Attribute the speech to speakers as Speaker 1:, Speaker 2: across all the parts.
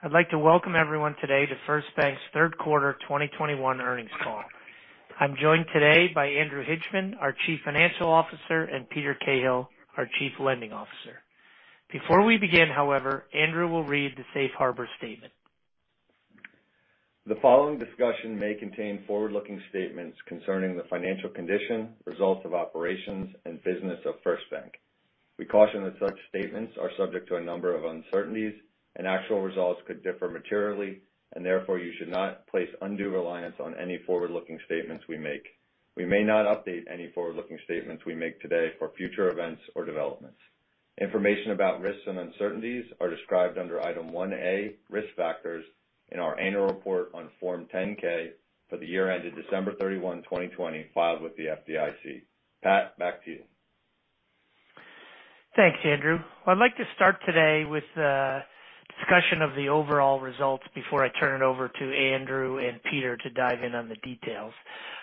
Speaker 1: Thank you. I'd like to welcome everyone today to First Bank's third quarter 2021 earnings call. I'm joined today by Andrew Hibshman, our Chief Financial Officer, and Peter Cahill, our Chief Lending Officer. Before we begin, however, Andrew will read the safe harbor statement.
Speaker 2: The following discussion may contain forward-looking statements concerning the financial condition, results of operations, and business of First Bank. We caution that such statements are subject to a number of uncertainties, and actual results could differ materially and therefore you should not place undue reliance on any forward-looking statements we make. We may not update any forward-looking statements we make today for future events or developments. Information about risks and uncertainties are described under Item 1A, Risk Factors in our annual report on Form 10-K for the year ended December 31, 2020, filed with the FDIC. Pat, back to you.
Speaker 1: Thanks, Andrew. I'd like to start today with the discussion of the overall results before I turn it over to Andrew and Peter to dive in on the details.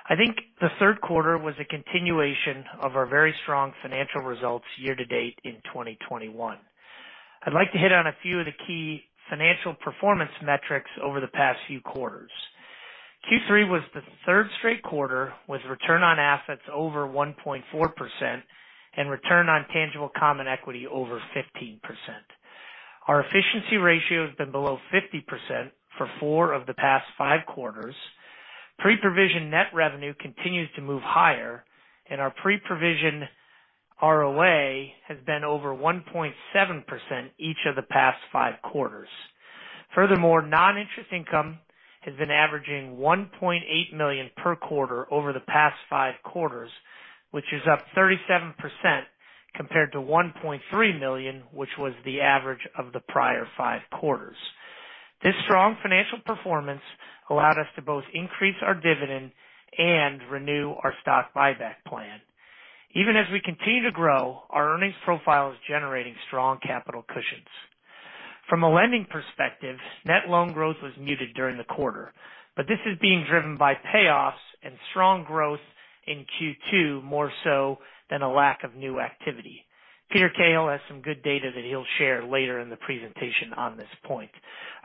Speaker 1: I think the third quarter was a continuation of our very strong financial results year-to-date in 2021. I'd like to hit on a few of the key financial performance metrics over the past few quarters. Q3 was the third straight quarter with return on assets over 1.4% and return on tangible common equity over 15%. Our efficiency ratio has been below 50% for four of the past five quarters. Pre-provision net revenue continues to move higher, and our pre-provision ROA has been over 1.7% each of the past five quarters. Furthermore, non-interest income has been averaging $1.8 million per quarter over the past five quarters, which is up 37% compared to $1.3 million, which was the average of the prior five quarters. This strong financial performance allowed us to both increase our dividend and renew our stock buyback plan. Even as we continue to grow, our earnings profile is generating strong capital cushions. From a lending perspective, net loan growth was muted during the quarter, but this is being driven by payoffs and strong growth in Q2, more so than a lack of new activity. Peter Cahill has some good data that he'll share later in the presentation on this point.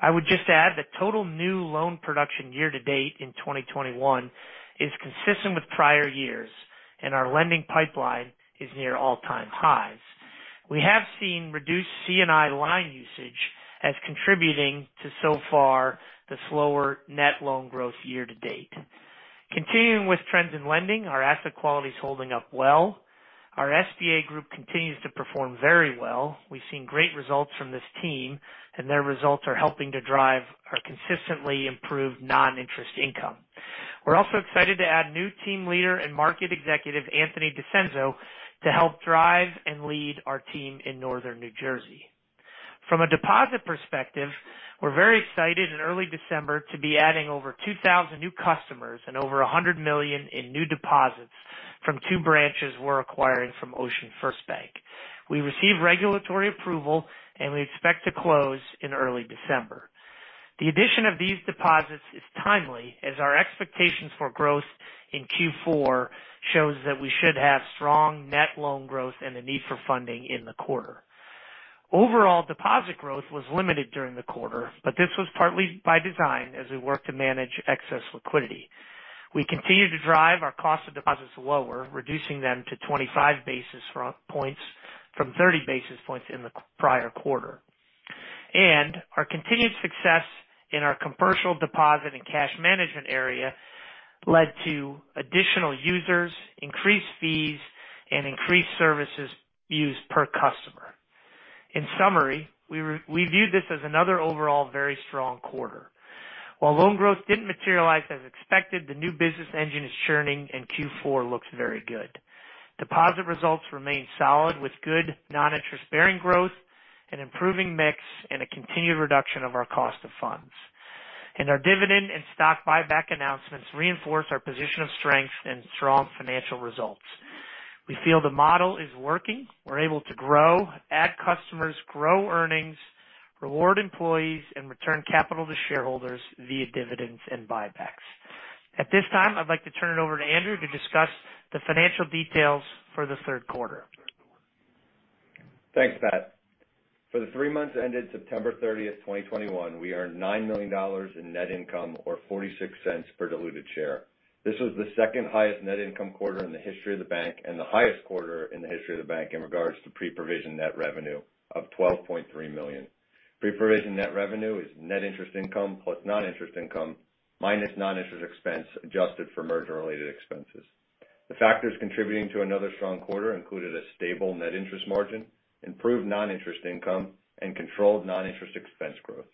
Speaker 1: I would just add that total new loan production year-to-date in 2021 is consistent with prior years, and our lending pipeline is near all-time highs. We have seen reduced C&I line usage as contributing to, so far, the slower net loan growth year-to-date. Continuing with trends in lending, our asset quality is holding up well. Our SBA group continues to perform very well. We've seen great results from this team, and their results are helping to drive our consistently improved non-interest income. We're also excited to add new team leader and market executive, Anthony DeFazio, to help drive and lead our team in Northern New Jersey. From a deposit perspective, we're very excited in early December to be adding over 2,000 new customers and over $100 million in new deposits from two branches we're acquiring from OceanFirst Bank. We received regulatory approval, and we expect to close in early December. The addition of these deposits is timely as our expectations for growth in Q4 shows that we should have strong net loan growth and the need for funding in the quarter. Overall deposit growth was limited during the quarter, but this was partly by design as we work to manage excess liquidity. We continue to drive our cost of deposits lower, reducing them to 25 basis points from 30 basis points in the prior quarter. Our continued success in our commercial deposit and cash management area led to additional users, increased fees, and increased services used per customer. In summary, we view this as another overall very strong quarter. While loan growth didn't materialize as expected, the new business engine is churning and Q4 looks very good. Deposit results remain solid with good non-interest-bearing growth, an improving mix, and a continued reduction of our cost of funds. Our dividend and stock buyback announcements reinforce our position of strength and strong financial results. We feel the model is working. We're able to grow, add customers, grow earnings, reward employees, and return capital to shareholders via dividends and buybacks. At this time, I'd like to turn it over to Andrew to discuss the financial details for the third quarter.
Speaker 2: Thanks, Pat. For the three months ended September 30th, 2021, we earned $9 million in net income or $0.46 per diluted share. This was the second highest net income quarter in the history of the bank and the highest quarter in the history of the bank in regards to pre-provision net revenue of $12.3 million. Pre-provision net revenue is net interest income plus non-interest income minus non-interest expense, adjusted for merger-related expenses. The factors contributing to another strong quarter included a stable net interest margin, improved non-interest income, and controlled non-interest expense growth.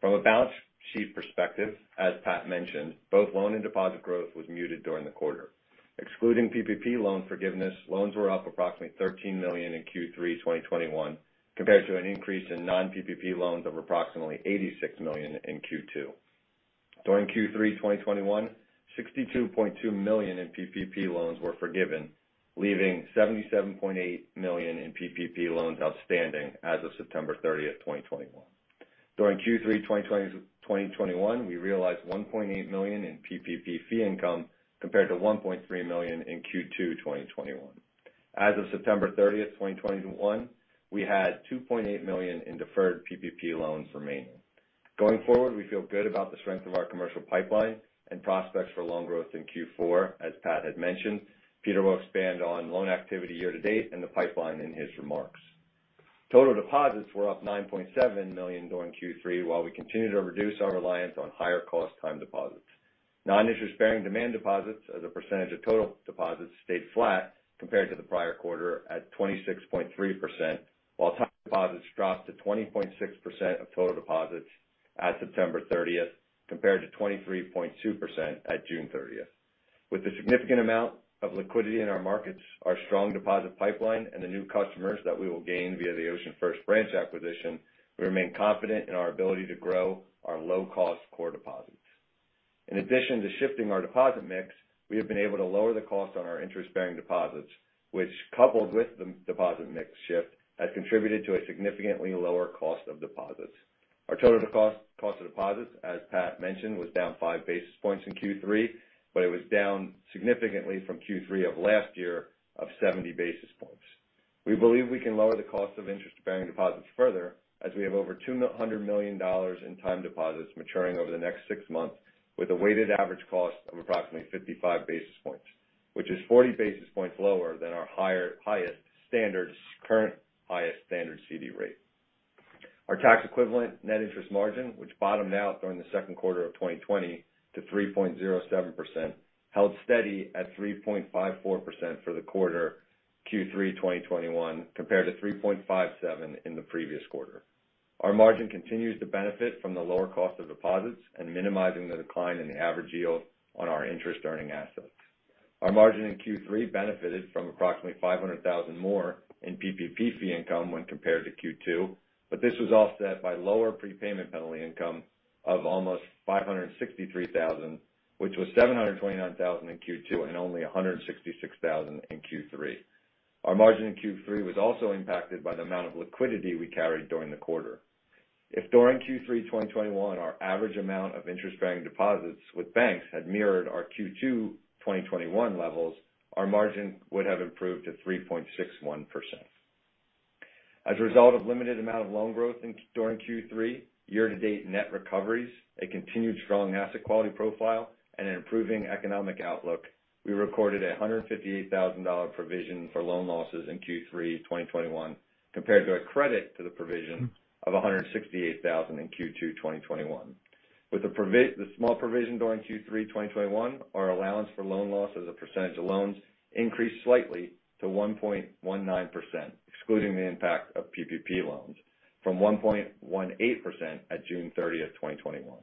Speaker 2: From a balance sheet perspective, as Pat mentioned, both loan and deposit growth was muted during the quarter. Excluding PPP loan forgiveness, loans were up approximately $13 million in Q3 2021 compared to an increase in non-PPP loans of approximately $86 million in Q2. During Q3 2021, $62.2 million in PPP loans were forgiven, leaving $77.8 million in PPP loans outstanding as of September 30th, 2021. During Q3 2021, we realized $1.8 million in PPP fee income compared to $1.3 million in Q2 2021. As of September 30th, 2021, we had $2.8 million in deferred PPP loans remaining. Going forward, we feel good about the strength of our commercial pipeline and prospects for loan growth in Q4 as Pat had mentioned. Peter will expand on loan activity year to date and the pipeline in his remarks. Total deposits were up $9.7 million during Q3 while we continue to reduce our reliance on higher cost time deposits. Non-interest bearing demand deposits as a percentage of total deposits stayed flat compared to the prior quarter at 26.3%, while time deposits dropped to 20.6% of total deposits at September 30th compared to 23.2% at June 30th. With the significant amount of liquidity in our markets, our strong deposit pipeline and the new customers that we will gain via the OceanFirst branch acquisition, we remain confident in our ability to grow our low cost core deposits. In addition to shifting our deposit mix, we have been able to lower the cost on our interest-bearing deposits, which, coupled with the deposit mix shift, has contributed to a significantly lower cost of deposits. Our total cost of deposits, as Pat mentioned, was down 5 basis points in Q3, but it was down significantly from Q3 of last year of 70 basis points. We believe we can lower the cost of interest-bearing deposits further as we have over $200 million in time deposits maturing over the next six months with a weighted average cost of approximately 55 basis points, which is 40 basis points lower than our current highest standard CD rate. Our tax equivalent net interest margin, which bottomed out during the second quarter of 2020 to 3.07%, held steady at 3.54% for the quarter Q3 2021 compared to 3.57% in the previous quarter. Our margin continues to benefit from the lower cost of deposits and minimizing the decline in the average yield on our interest-earning assets. Our margin in Q3 benefited from approximately $500,000 more in PPP fee income when compared to Q2, but this was offset by lower prepayment penalty income of almost $563,000, which was $729,000 in Q2 and only $166,000 in Q3. Our margin in Q3 was also impacted by the amount of liquidity we carried during the quarter. If during Q3 2021, our average amount of interest-bearing deposits with banks had mirrored our Q2 2021 levels, our margin would have improved to 3.61%. As a result of limited amount of loan growth during Q3, year-to-date net recoveries, a continued strong asset quality profile, and an improving economic outlook, we recorded a $158,000 provision for loan losses in Q3 2021 compared to a credit to the provision of $168,000 in Q2 2021. With the small provision during Q3 2021, our allowance for loan losses as a percentage of loans increased slightly to 1.19%, excluding the impact of PPP loans, from 1.18% at June 30th, 2021.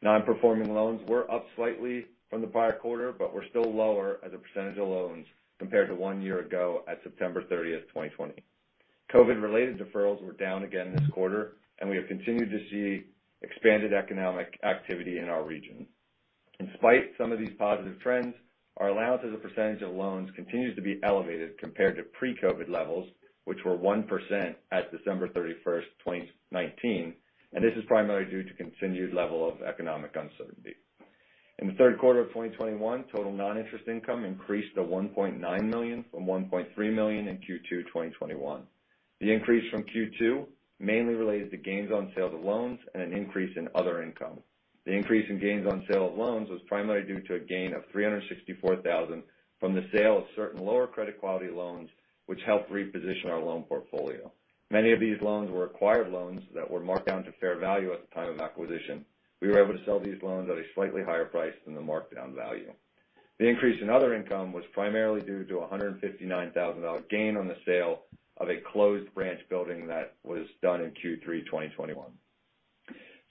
Speaker 2: Non-performing loans were up slightly from the prior quarter, but were still lower as a percentage of loans compared to one year ago at September 30th, 2020. COVID-19-related deferrals were down again this quarter, and we have continued to see expanded economic activity in our region. In spite of some of these positive trends, our allowance as a percentage of loans continues to be elevated compared to pre-COVID-19 levels, which were 1% at December 31st, 2019, and this is primarily due to continued level of economic uncertainty. In the third quarter of 2021, total non-interest income increased to $1.9 million from $1.3 million in Q2 2021. The increase from Q2 mainly relates to gains on sale of loans and an increase in other income. The increase in gains on sale of loans was primarily due to a gain of $364,000 from the sale of certain lower credit quality loans, which helped reposition our loan portfolio. Many of these loans were acquired loans that were marked down to fair value at the time of acquisition. We were able to sell these loans at a slightly higher price than the markdown value. The increase in other income was primarily due to a $159,000 gain on the sale of a closed branch building that was done in Q3 2021.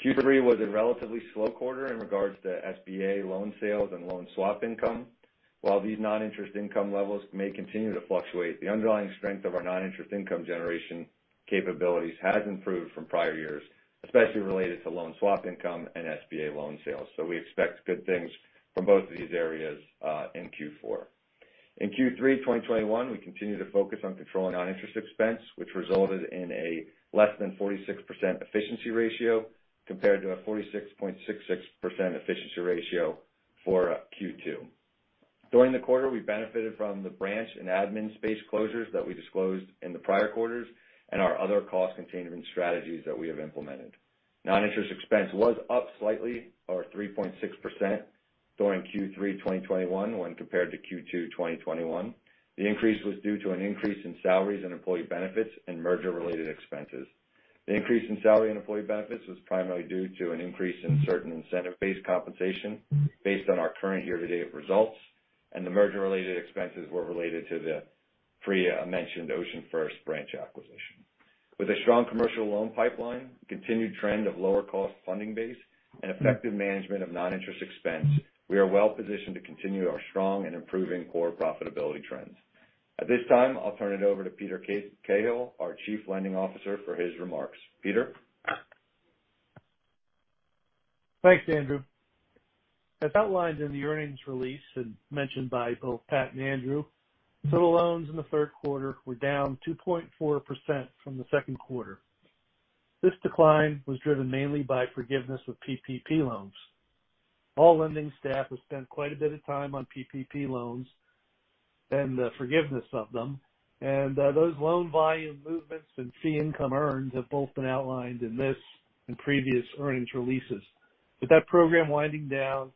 Speaker 2: Q3 was a relatively slow quarter in regards to SBA loan sales and loan swap income. While these non-interest income levels may continue to fluctuate, the underlying strength of our non-interest income generation capabilities has improved from prior years, especially related to loan swap income and SBA loan sales. We expect good things from both of these areas, in Q4. In Q3 2021, we continue to focus on controlling non-interest expense, which resulted in a less than 46% efficiency ratio compared to a 46.66% efficiency ratio for Q2. During the quarter, we benefited from the branch and admin space closures that we disclosed in the prior quarters and our other cost containment strategies that we have implemented. Non-interest expense was up slightly, or 3.6%, during Q3 2021 when compared to Q2 2021. The increase was due to an increase in salaries and employee benefits and merger-related expenses. The increase in salary and employee benefits was primarily due to an increase in certain incentive-based compensation based on our current year-to-date results, and the merger-related expenses were related to the previously mentioned OceanFirst branch acquisition. With a strong commercial loan pipeline, continued trend of lower cost funding base, and effective management of non-interest expense, we are well positioned to continue our strong and improving core profitability trends. At this time, I'll turn it over to Peter Cahill, our Chief Lending Officer, for his remarks. Peter?
Speaker 3: Thanks, Andrew. As outlined in the earnings release and mentioned by both Pat and Andrew, total loans in the third quarter were down 2.4% from the second quarter. This decline was driven mainly by forgiveness of PPP loans. All lending staff have spent quite a bit of time on PPP loans and the forgiveness of them, and, those loan volume movements and fee income earned have both been outlined in this and previous earnings releases. With that program winding down,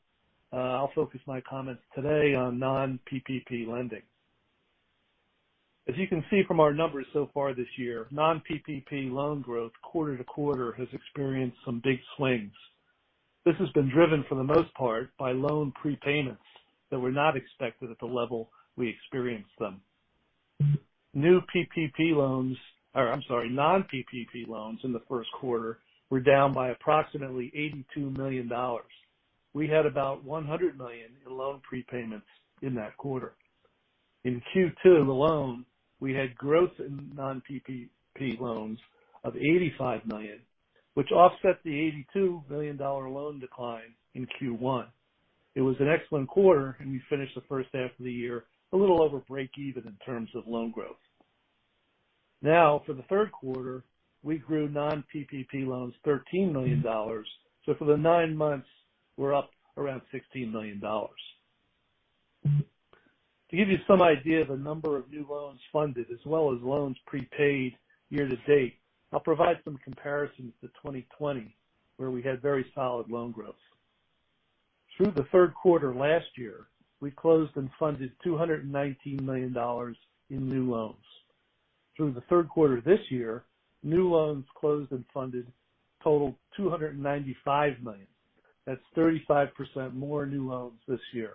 Speaker 3: I'll focus my comments today on non-PPP lending. As you can see from our numbers so far this year, non-PPP loan growth quarter to quarter has experienced some big swings. This has been driven for the most part by loan prepayments that were not expected at the level we experienced them. I'm sorry, non-PPP loans in the first quarter were down by approximately $82 million. We had about $100 million in loan prepayments in that quarter. In Q2 alone, we had growth in non-PPP loans of $85 million, which offset the $82 million loan decline in Q1. It was an excellent quarter, and we finished the first half of the year a little over breakeven in terms of loan growth. Now, for the third quarter, we grew non-PPP loans $13 million. For the nine months, we're up around $16 million. To give you some idea of the number of new loans funded as well as loans prepaid year to date, I'll provide some comparisons to 2020, where we had very solid loan growth. Through the third quarter last year, we closed and funded $219 million in new loans. Through the third quarter this year, new loans closed and funded totaled $295 million. That's 35% more new loans this year.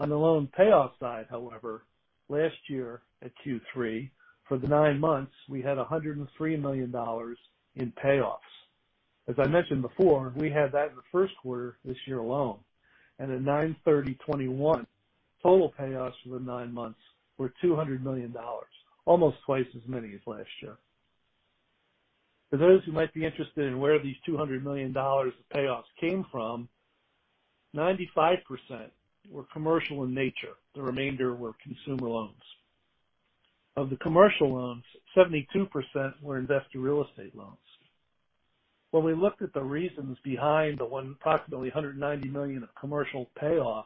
Speaker 3: On the loan payoff side, however, last year at Q3, for the nine months, we had $103 million in payoffs. As I mentioned before, we had that in the first quarter this year alone, and at 9/30/2021, total payoffs for the nine months were $200 million, almost twice as many as last year. For those who might be interested in where these $200 million of payoffs came from, 95% were commercial in nature. The remainder were consumer loans. Of the commercial loans, 72% were investor real estate loans. When we looked at the reasons behind the approximately $190 million of commercial payoffs,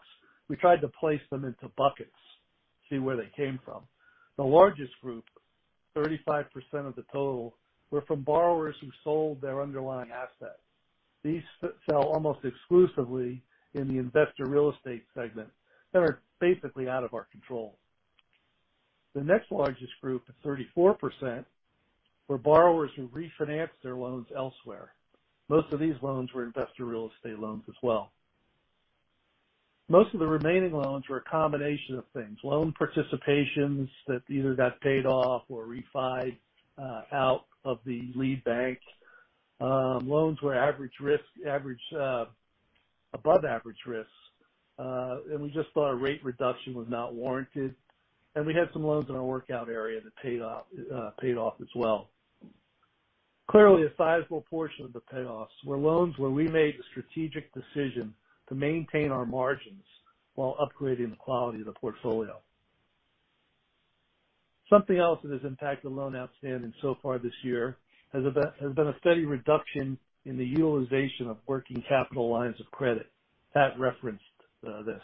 Speaker 3: we tried to place them into buckets, see where they came from. The largest group, 35% of the total, were from borrowers who sold their underlying assets. These fell almost exclusively in the investor real estate segment that are basically out of our control. The next largest group of 34% were borrowers who refinanced their loans elsewhere. Most of these loans were investor real estate loans as well. Most of the remaining loans were a combination of things, loan participations that either got paid off or refinanced out of the lead bank. Loans were average risk, above average risks, and we just thought a rate reduction was not warranted. We had some loans in our workout area that paid off as well. Clearly, a sizable portion of the payoffs were loans where we made the strategic decision to maintain our margins while upgrading the quality of the portfolio. Something else that has impacted loan outstanding so far this year has been a steady reduction in the utilization of working capital lines of credit. Pat referenced this.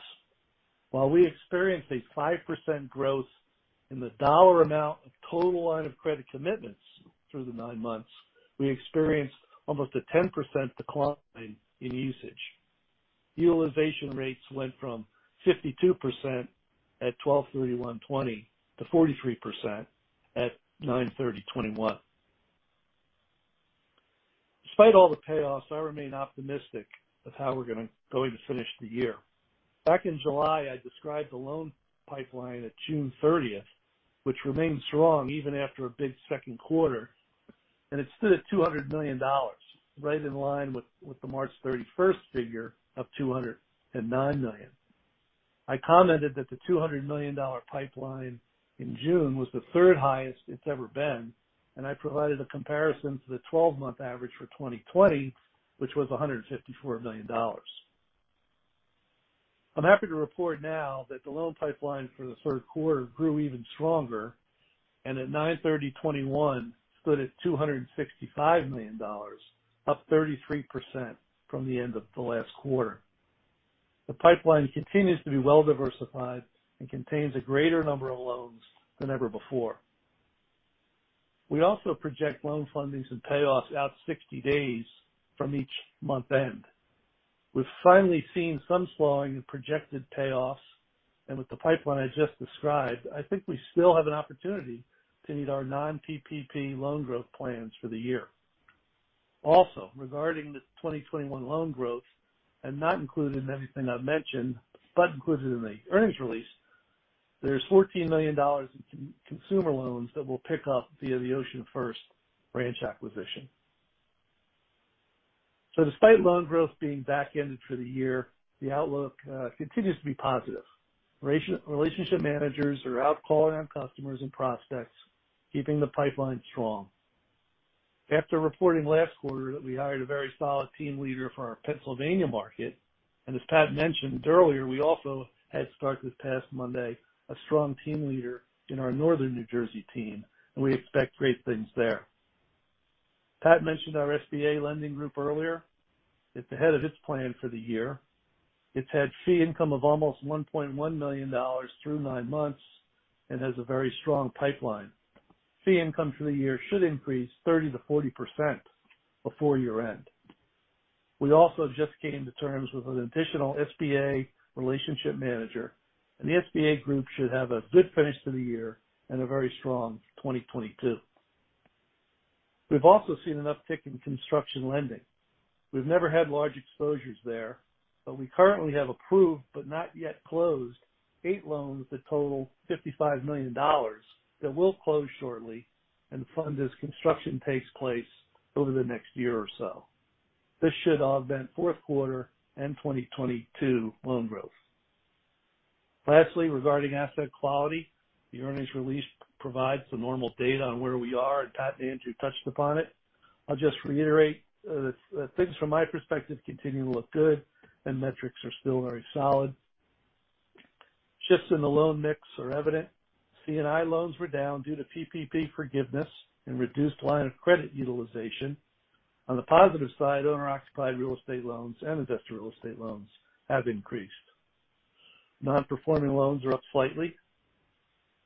Speaker 3: While we experienced a 5% growth in the dollar amount of total line of credit commitments through the nine months, we experienced almost a 10% decline in usage. Utilization rates went from 52% at 12/31/2020 to 43% at 9/30/2021. Despite all the payoffs, I remain optimistic of how we're going to finish the year. Back in July, I described the loan pipeline at June 30th, which remained strong even after a big second quarter, and it stood at $200 million, right in line with the March 31st figure of $209 million. I commented that the $200 million pipeline in June was the third highest it's ever been, and I provided a comparison to the 12-month average for 2020, which was $154 million. I'm happy to report now that the loan pipeline for the third quarter grew even stronger and at 9/30/2021 stood at $265 million, up 33% from the end of the last quarter. The pipeline continues to be well-diversified and contains a greater number of loans than ever before. We also project loan fundings and payoffs out 60 days from each month end. We've finally seen some slowing in projected payoffs, and with the pipeline I just described, I think we still have an opportunity to meet our non-PPP loan growth plans for the year. Also, regarding the 2021 loan growth, and not included in anything I've mentioned, but included in the earnings release, there's $14 million in consumer loans that we'll pick up via the OceanFirst branch acquisition. Despite loan growth being backended for the year, the outlook continues to be positive. Relationship managers are out calling on customers and prospects, keeping the pipeline strong. After reporting last quarter that we hired a very solid team leader for our Pennsylvania market, and as Pat mentioned earlier, we also had started this past Monday, a strong team leader in our northern New Jersey team, and we expect great things there. Pat mentioned our SBA lending group earlier. It's ahead of its plan for the year. It's had fee income of almost $1.1 million through nine months and has a very strong pipeline. Fee income for the year should increase 30%-40% before year-end. We also just came to terms with an additional SBA relationship manager, and the SBA group should have a good finish to the year and a very strong 2022. We've also seen an uptick in construction lending. We've never had large exposures there, but we currently have approved, but not yet closed eight loans that total $55 million that will close shortly and fund as construction takes place over the next year or so. This should augment fourth quarter and 2022 loan growth. Lastly, regarding asset quality, the earnings release provides the normal data on where we are, and Pat and Andrew touched upon it. I'll just reiterate that things from my perspective continue to look good and metrics are still very solid. Shifts in the loan mix are evident. C&I loans were down due to PPP forgiveness and reduced line of credit utilization. On the positive side, owner-occupied real estate loans and investor real estate loans have increased. Nonperforming loans are up slightly.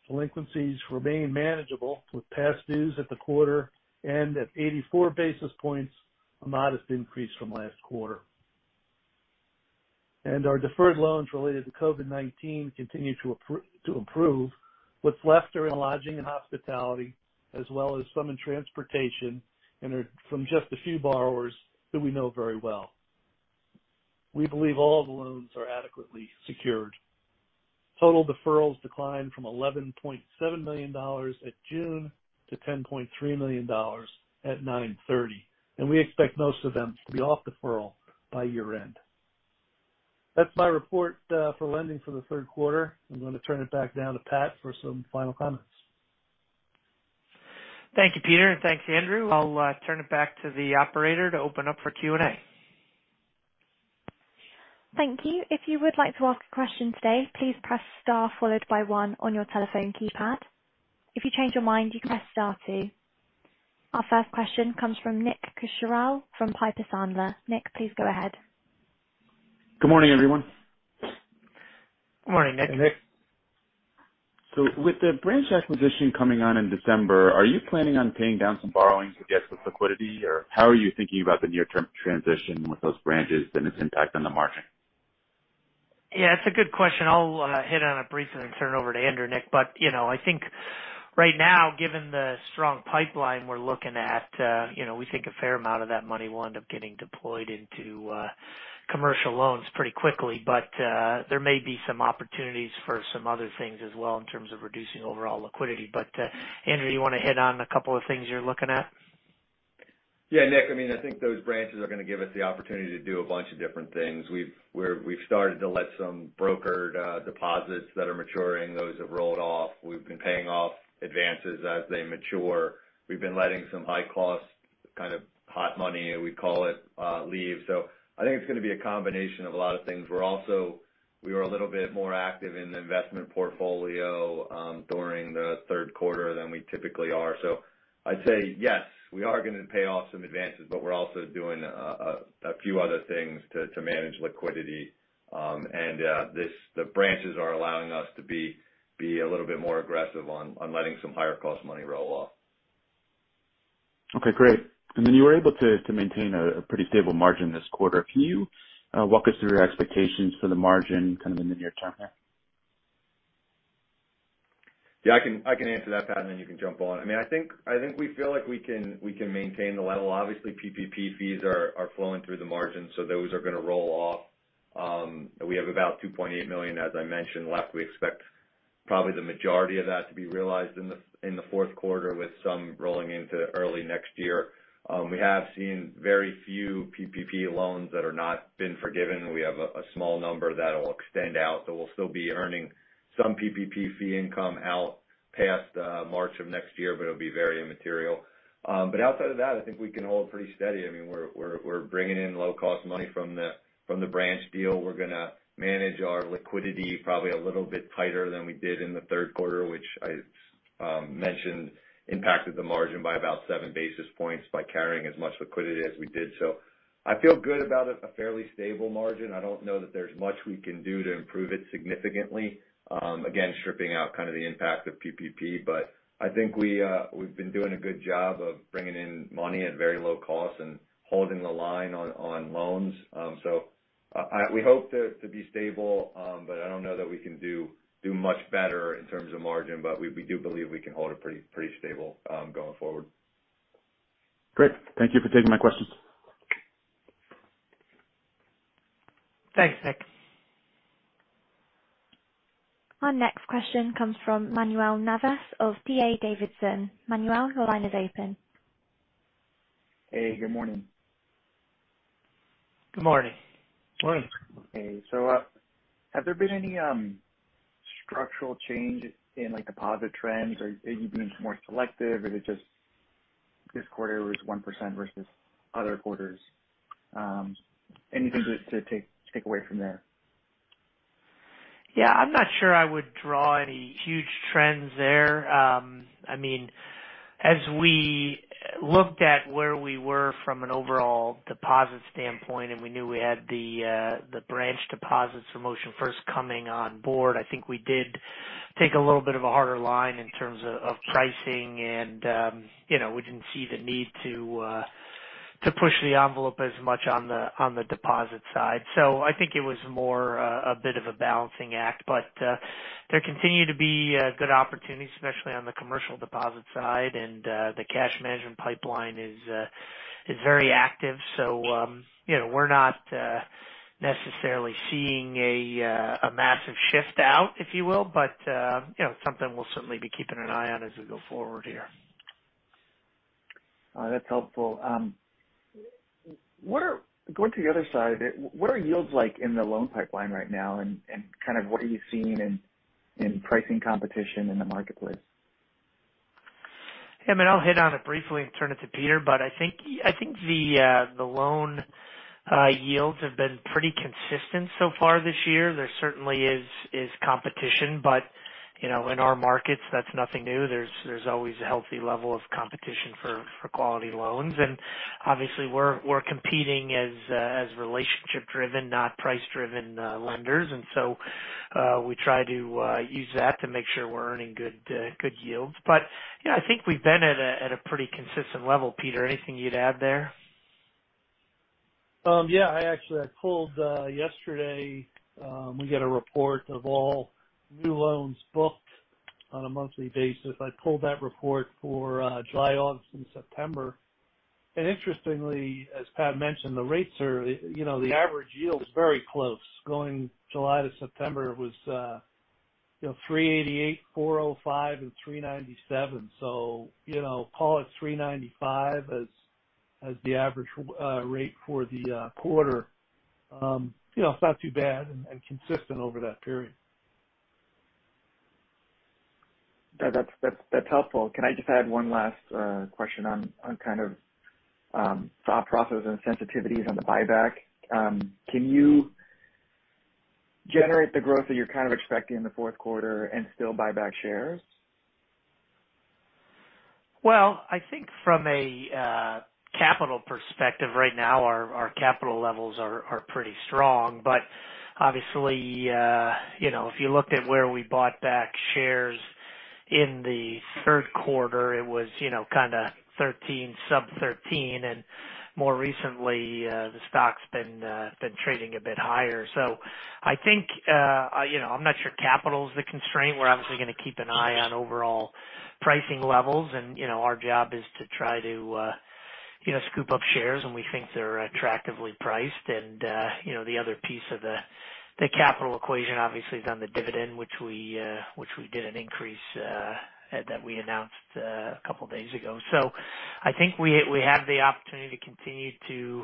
Speaker 3: Delinquencies remain manageable, with past dues at the quarter end at 84 basis points, a modest increase from last quarter. Our deferred loans related to COVID-19 continue to improve. What's left are in lodging and hospitality, as well as some in transportation, and they're from just a few borrowers who we know very well. We believe all the loans are adequately secured. Total deferrals declined from $11.7 million at June 30 to $10.3 million at September 30, and we expect most of them to be off deferral by year-end. That's my report for lending for the third quarter. I'm gonna turn it back over to Pat for some final comments.
Speaker 1: Thank you, Peter, and thanks, Andrew. I'll turn it back to the operator to open up for Q and A.
Speaker 4: Thank you. If you would like to ask a question today, please press star followed by one on your telephone keypad. If you change your mind, you press star two. Our first question comes from Nick Cucharale from Piper Sandler. Nick, please go ahead.
Speaker 5: Good morning, everyone.
Speaker 1: Good morning, Nick.
Speaker 3: Hey, Nick.
Speaker 5: With the branch acquisition coming on in December, are you planning on paying down some borrowings to get some liquidity? Or how are you thinking about the near-term transition with those branches and its impact on the margin?
Speaker 1: Yeah, it's a good question. I'll hit on it briefly and then turn it over to Andrew, Nick. You know, I think right now, given the strong pipeline we're looking at, you know, we think a fair amount of that money will end up getting deployed into commercial loans pretty quickly. There may be some opportunities for some other things as well in terms of reducing overall liquidity. Andrew, you wanna hit on a couple of things you're looking at?
Speaker 2: Yeah, Nick, I mean, I think those branches are gonna give us the opportunity to do a bunch of different things. We've started to let some brokered deposits that are maturing; those have rolled off. We've been paying off advances as they mature. We've been letting some high cost, kind of hot money we call it, leave. I think it's gonna be a combination of a lot of things. We were a little bit more active in the investment portfolio during the third quarter than we typically are. I'd say yes, we are gonna pay off some advances, but we're also doing a few other things to manage liquidity. The branches are allowing us to be a little bit more aggressive on letting some higher cost money roll off.
Speaker 5: Okay, great. You were able to maintain a pretty stable margin this quarter. Can you walk us through your expectations for the margin kind of in the near term here?
Speaker 2: Yeah, I can answer that, Pat, and then you can jump on. I mean, I think we feel like we can maintain the level. Obviously, PPP fees are flowing through the margin, so those are gonna roll off. We have about $2.8 million, as I mentioned, left. We expect probably the majority of that to be realized in the fourth quarter, with some rolling into early next year. We have seen very few PPP loans that are not been forgiven. We have a small number that'll extend out, so we'll still be earning some PPP fee income out past March of next year, but it'll be very immaterial. Outside of that, I think we can hold pretty steady. I mean, we're bringing in low cost money from the branch deal. We're gonna manage our liquidity probably a little bit tighter than we did in the third quarter, which I mentioned impacted the margin by about seven basis points by carrying as much liquidity as we did. I feel good about a fairly stable margin. I don't know that there's much we can do to improve it significantly, again, stripping out kind of the impact of PPP. I think we've been doing a good job of bringing in money at very low cost and holding the line on loans. We hope to be stable, but I don't know that we can do much better in terms of margin. We do believe we can hold it pretty stable going forward.
Speaker 5: Great. Thank you for taking my questions.
Speaker 1: Thanks, Nick.
Speaker 4: Our next question comes from Manuel Navas of D.A. Davidson. Manuel, your line is open.
Speaker 6: Hey, good morning.
Speaker 1: Good morning.
Speaker 3: Morning.
Speaker 6: Okay. Have there been any structural change in, like, deposit trends? Are you being more selective? Is it just this quarter was 1% versus other quarters? Anything just to take away from there?
Speaker 1: Yeah, I'm not sure I would draw any huge trends there. I mean, as we looked at where we were from an overall deposit standpoint, and we knew we had the branch deposits from OceanFirst coming on board, I think we did take a little bit of a harder line in terms of pricing and, you know, we didn't see the need to push the envelope as much on the deposit side. I think it was more a bit of a balancing act. There continue to be good opportunities, especially on the commercial deposit side. The cash management pipeline is very active. You know, we're not necessarily seeing a massive shift out, if you will, but you know, something we'll certainly be keeping an eye on as we go forward here.
Speaker 6: All right. That's helpful. Going to the other side of it, what are yields like in the loan pipeline right now, and kind of what are you seeing in pricing competition in the marketplace?
Speaker 1: Yeah, I mean, I'll hit on it briefly and turn it to Peter. I think the loan yields have been pretty consistent so far this year. There certainly is competition, but, you know, in our markets, that's nothing new. There's always a healthy level of competition for quality loans. Obviously we're competing as relationship driven, not price driven, lenders. We try to use that to make sure we're earning good yields. You know, I think we've been at a pretty consistent level. Peter, anything you'd add there?
Speaker 3: Yeah, I actually pulled it yesterday. We get a report of all new loans booked on a monthly basis. I pulled that report for July, August, and September. Interestingly, as Pat mentioned, the rates are, you know, the average yield is very close. Going July to September, it was, you know, 3.88%, 4.05%, and 3.97%. You know, call it 3.95% as the average rate for the quarter. You know, it's not too bad and consistent over that period.
Speaker 6: That's helpful. Can I just add one last question on kind of thought process and sensitivities on the buyback? Can you generate the growth that you're kind of expecting in the fourth quarter and still buy back shares?
Speaker 1: Well, I think from a capital perspective right now our capital levels are pretty strong. Obviously, you know, if you looked at where we bought back shares in the third quarter, it was, you know, kind of 13, sub 13. More recently, the stock's been trading a bit higher. I think, you know, I'm not sure capital is the constraint. We're obviously going to keep an eye on overall pricing levels. You know, our job is to try to, you know, scoop up shares when we think they're attractively priced. You know, the other piece of the capital equation obviously is on the dividend, which we did increase that we announced a couple days ago. I think we have the opportunity to continue to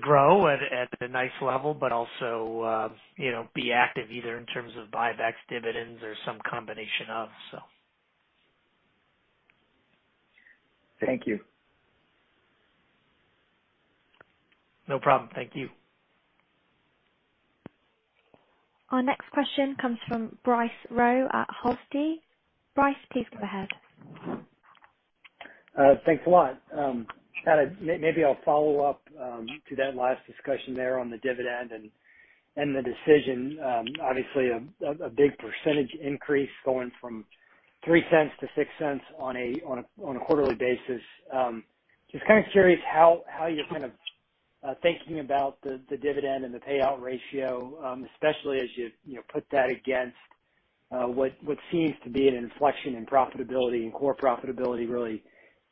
Speaker 1: grow at a nice level, but also, you know, be active either in terms of buybacks, dividends or some combination of.
Speaker 6: Thank you.
Speaker 1: No problem. Thank you.
Speaker 4: Our next question comes from Bryce Rowe at Hovde. Bryce, please go ahead.
Speaker 7: Thanks a lot. Maybe I'll follow up to that last discussion there on the dividend and the decision. Obviously a big percentage increase going from $0.03 to $0.06 on a quarterly basis. Just kind of curious how you're kind of thinking about the dividend and the payout ratio, especially as you know put that against what seems to be an inflection in profitability and core profitability really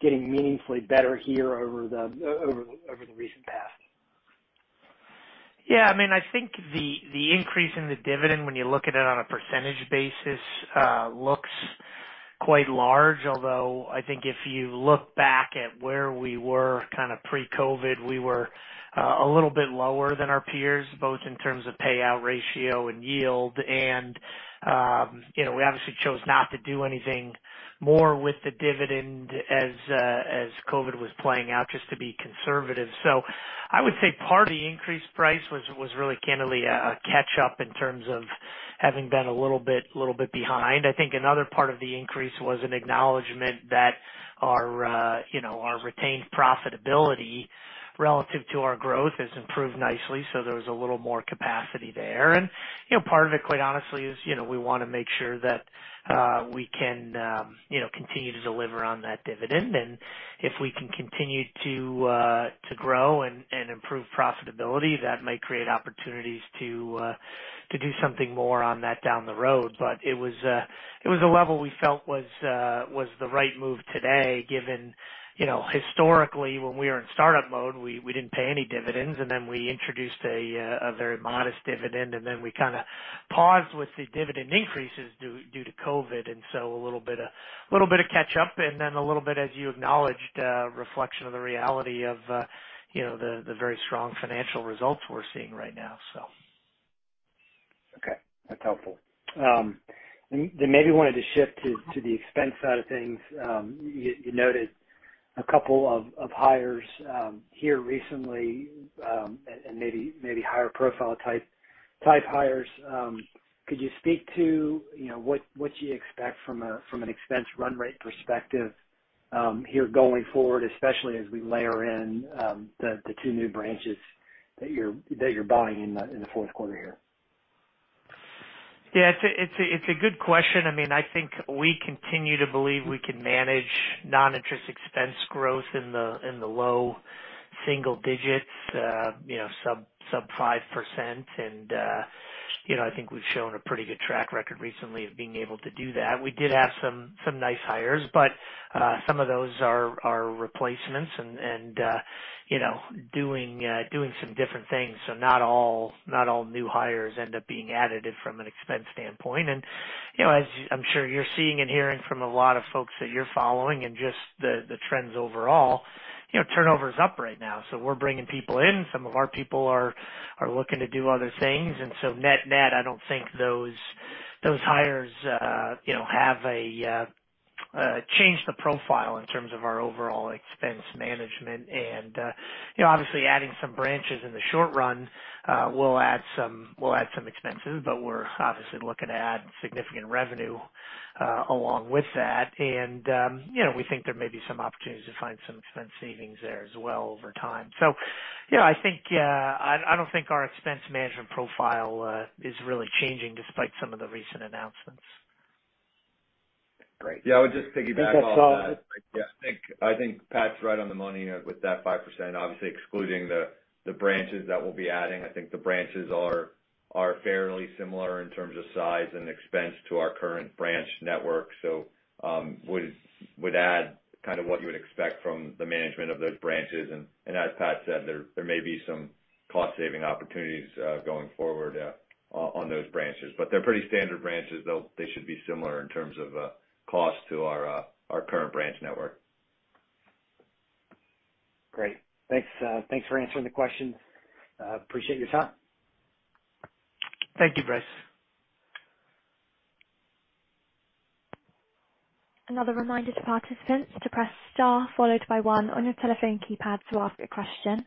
Speaker 7: getting meaningfully better here over the recent past.
Speaker 1: Yeah, I mean, I think the increase in the dividend when you look at it on a percentage basis looks quite large. Although I think if you look back at where we were kind of pre-COVID, we were a little bit lower than our peers, both in terms of payout ratio and yield. You know, we obviously chose not to do anything more with the dividend as COVID was playing out just to be conservative. I would say part of the increased price was really candidly a catch up in terms of having been a little bit behind. I think another part of the increase was an acknowledgement that our you know, our retained profitability relative to our growth has improved nicely, so there was a little more capacity there. You know, part of it, quite honestly, is, you know, we want to make sure that we can, you know, continue to deliver on that dividend. If we can continue to grow and improve profitability, that may create opportunities to do something more on that down the road. It was a level we felt was the right move today, given, you know, historically, when we were in startup mode, we didn't pay any dividends, and then we introduced a very modest dividend, and then we kinda paused with the dividend increases due to COVID. A little bit of catch up and then a little bit, as you acknowledged, reflection of the reality of, you know, the very strong financial results we're seeing right now, so.
Speaker 7: Okay, that's helpful. Maybe wanted to shift to the expense side of things. You noted a couple of hires here recently, and maybe higher profile type hires. Could you speak to, you know, what you expect from an expense run rate perspective here going forward, especially as we layer in the two new branches that you're buying in the fourth quarter here?
Speaker 1: Yeah, it's a good question. I mean, I think we continue to believe we can manage non-interest expense growth in the low single digits, you know, sub 5%. You know, I think we've shown a pretty good track record recently of being able to do that. We did have some nice hires, but some of those are replacements and you know, doing some different things. Not all new hires end up being additive from an expense standpoint. You know, as I'm sure you're seeing and hearing from a lot of folks that you're following and just the trends overall, you know, turnover is up right now. We're bringing people in. Some of our people are looking to do other things. Net-net, I don't think those hires, you know, have changed the profile in terms of our overall expense management. You know, obviously adding some branches in the short run will add some expenses, but we're obviously looking to add significant revenue along with that. You know, we think there may be some opportunities to find some expense savings there as well over time. You know, I think I don't think our expense management profile is really changing despite some of the recent announcements.
Speaker 7: Great.
Speaker 2: Yeah. I would just piggyback off that.
Speaker 7: I think that's all.
Speaker 2: Yeah. I think Pat's right on the money with that 5%, obviously excluding the branches that we'll be adding. I think the branches are fairly similar in terms of size and expense to our current branch network. They would add kind of what you would expect from the management of those branches. As Pat said, there may be some cost saving opportunities going forward on those branches. But they're pretty standard branches. They should be similar in terms of cost to our current branch network.
Speaker 7: Great. Thanks. Thanks for answering the question. I appreciate your time.
Speaker 1: Thank you, Bryce.
Speaker 4: Another reminder to participants to press star followed by one on your telephone keypad to ask a question.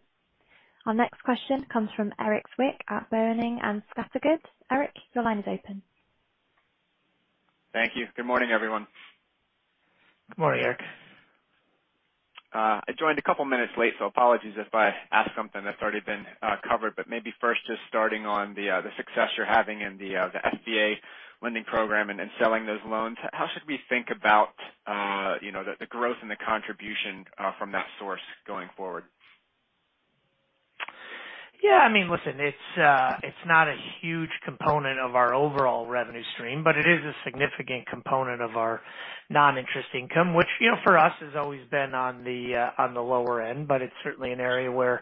Speaker 4: Our next question comes from Erik Zwick at Boenning & Scattergood. Erik, your line is open.
Speaker 8: Thank you. Good morning, everyone.
Speaker 1: Good morning, Erik.
Speaker 8: I joined a couple of minutes late, so apologies if I ask something that's already been covered. Maybe first, just starting on the success you're having in the SBA lending program and selling those loans. How should we think about you know the growth and the contribution from that source going forward?
Speaker 1: Yeah, I mean, listen, it's not a huge component of our overall revenue stream, but it is a significant component of our non-interest income, which, you know, for us, has always been on the lower end. It's certainly an area where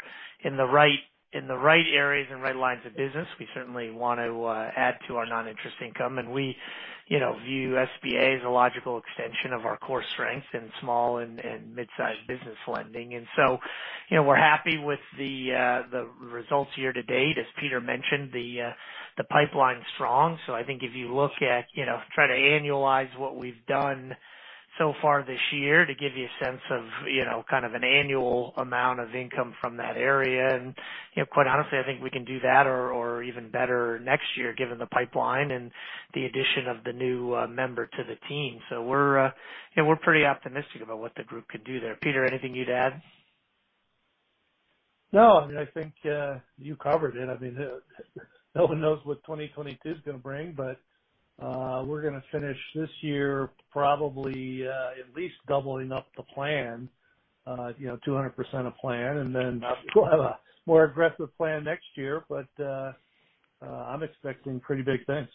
Speaker 1: in the right areas and right lines of business, we certainly want to add to our non-interest income. We, you know, view SBA as a logical extension of our core strength in small and mid-sized business lending. We're happy with the results year to date. As Peter mentioned, the pipeline's strong. I think if you look at, you know, try to annualize what we've done so far this year to give you a sense of, you know, kind of an annual amount of income from that area. You know, quite honestly, I think we can do that or even better next year, given the pipeline and the addition of the new member to the team. We're you know, pretty optimistic about what the group can do there. Peter, anything you'd add?
Speaker 3: No, I mean, I think you covered it. I mean, no one knows what 2022 is gonna bring, but we're gonna finish this year probably at least doubling up the plan, you know, 200% of plan, and then a more aggressive plan next year. I'm expecting pretty big things.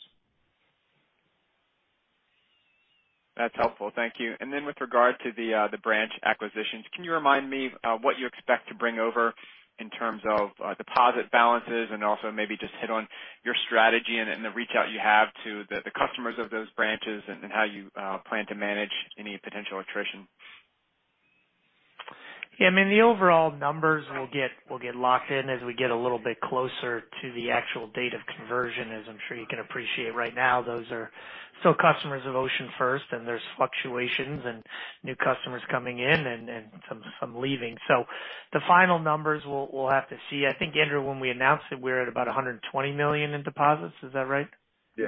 Speaker 8: That's helpful. Thank you. With regard to the branch acquisitions, can you remind me of what you expect to bring over in terms of deposit balances? Maybe just hit on your strategy and the reach out you have to the customers of those branches and how you plan to manage any potential attrition.
Speaker 1: Yeah. I mean, the overall numbers will get locked in as we get a little bit closer to the actual date of conversion. As I'm sure you can appreciate right now, those are still customers of OceanFirst, and there's fluctuations and new customers coming in and some leaving. The final numbers we'll have to see. I think, Andrew, when we announced it, we were at about $120 million in deposits. Is that right?
Speaker 2: Yeah.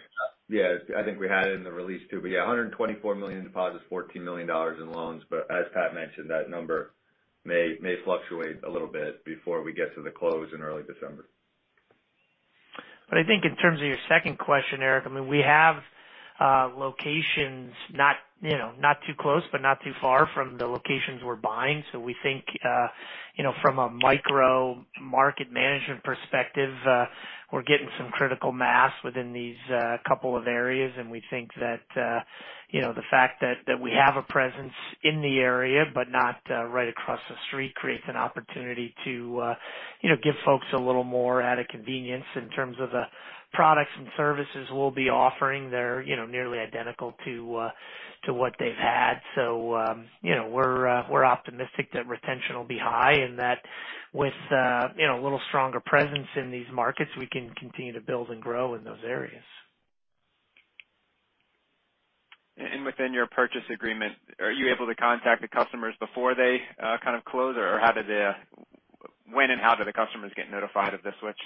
Speaker 2: I think we had it in the release, too. Yeah, $124 million in deposits, $14 million in loans. As Pat mentioned, that number may fluctuate a little bit before we get to the close in early December.
Speaker 1: I think in terms of your second question, Erik, I mean, we have locations not, you know, not too close, but not too far from the locations we're buying. So we think, you know, from a micro-market management perspective, we're getting some critical mass within these couple of areas. And we think that, you know, the fact that we have a presence in the area but not right across the street creates an opportunity to, you know, give folks a little more added convenience in terms of the products and services we'll be offering that are, you know, nearly identical to what they've had. You know, we're optimistic that retention will be high and that with you know, a little stronger presence in these markets, we can continue to build and grow in those areas.
Speaker 8: Within your purchase agreement, are you able to contact the customers before they kind of close? Or how do they? When and how do the customers get notified of the switch?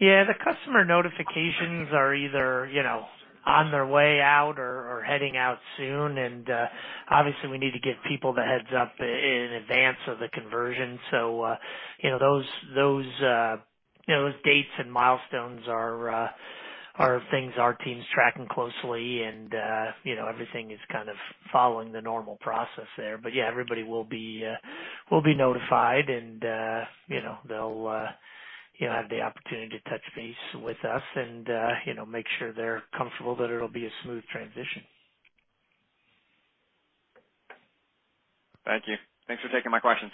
Speaker 1: Yeah. The customer notifications are either, you know, on their way out or heading out soon. Obviously we need to give people the heads up in advance of the conversion. You know, those dates and milestones are things our team's tracking closely and, you know, everything is kind of following the normal process there. Yeah, everybody will be notified, and, you know, they'll have the opportunity to touch base with us and, you know, make sure they're comfortable that it'll be a smooth transition.
Speaker 8: Thank you. Thanks for taking my questions.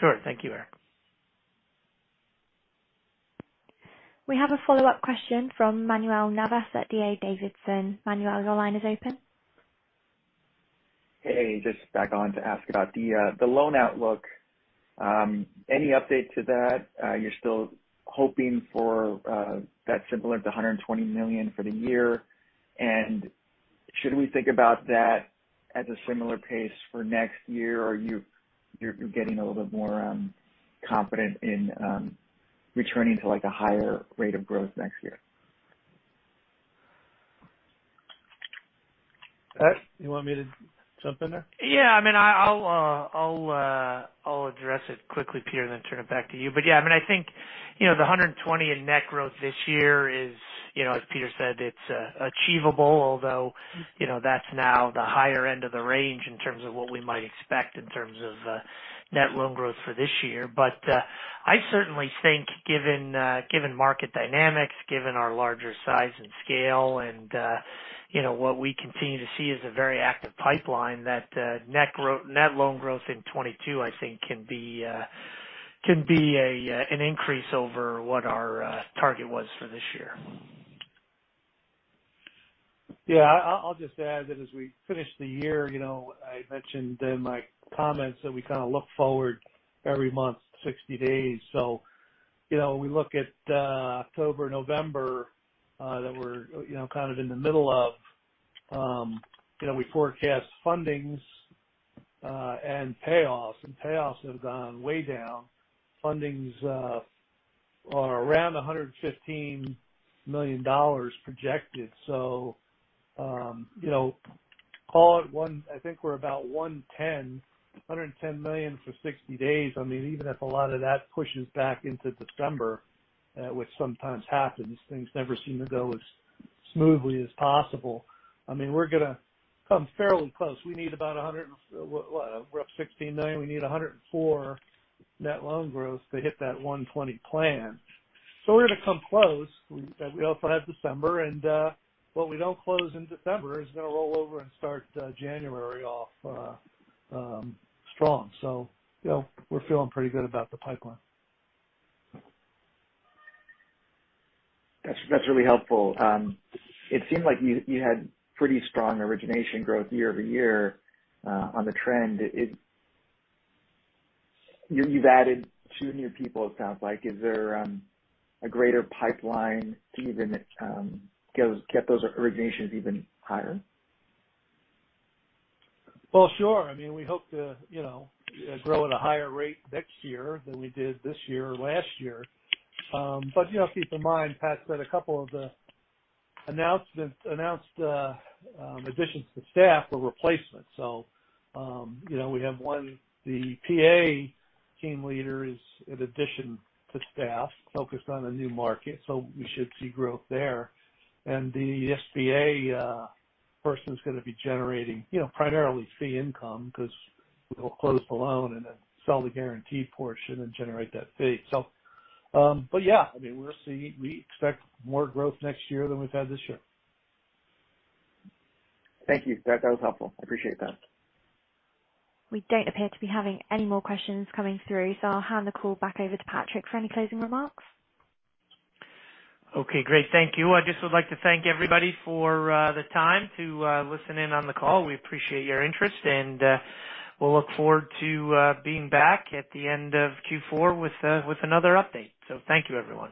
Speaker 1: Sure. Thank you, Erik.
Speaker 4: We have a follow-up question from Manuel Navas at D.A. Davidson. Manuel, your line is open.
Speaker 6: Hey, just back on to ask about the loan outlook. Any update to that? You're still hoping for that similar to $120 million for the year? Should we think about that at a similar pace for next year? Or you're getting a little bit more confident in returning to, like, a higher rate of growth next year?
Speaker 3: Pat, you want me to jump in there?
Speaker 1: Yeah, I mean, I'll address it quickly, Peter, then turn it back to you. Yeah, I mean, I think, you know, the $120 in net growth this year is, you know, as Peter said, it's achievable, although, you know, that's now the higher end of the range in terms of what we might expect in terms of net loan growth for this year. I certainly think given market dynamics, given our larger size and scale and, you know, what we continue to see is a very active pipeline that net loan growth in 2022, I think can be an increase over what our target was for this year.
Speaker 3: I'll just add that as we finish the year, you know, I mentioned in my comments that we kind of look forward every month, 60 days. You know, when we look at October, November, that we're, you know, kind of in the middle of, you know, we forecast fundings and payoffs. Payoffs have gone way down. Fundings are around $115 million projected. You know, call it one. I think we're about $110, $110 million for 60 days. I mean, even if a lot of that pushes back into December, which sometimes happens, things never seem to go as smoothly as possible. I mean, we're gonna come fairly close. We need about a hundred. What? We're up $16 million. We need $104 net loan growth to hit that $120 plan. We're gonna come close. We also have December, and what we don't close in December is gonna roll over and start January off strong. You know, we're feeling pretty good about the pipeline.
Speaker 6: That's really helpful. It seemed like you had pretty strong origination growth year-over-year on the trend. You've added two new people, it sounds like. Is there a greater pipeline to even get those originations even higher?
Speaker 3: Well, sure. I mean, we hope to, you know, grow at a higher rate next year than we did this year or last year. You know, keep in mind, Pat said a couple of the announced additions to staff were replacements. We have one, the PA team leader is an addition to staff focused on a new market, so we should see growth there. The SBA person is gonna be generating, you know, primarily fee income 'cause we'll close the loan and then sell the guarantee portion and generate that fee. Yeah. I mean, we're seeing, we expect more growth next year than we've had this year.
Speaker 6: Thank you. That was helpful. I appreciate that.
Speaker 4: We don't appear to be having any more questions coming through, so I'll hand the call back over to Pat for any closing remarks.
Speaker 1: Okay, great. Thank you. I just would like to thank everybody for the time to listen in on the call. We appreciate your interest and we'll look forward to being back at the end of Q4 with another update. Thank you, everyone.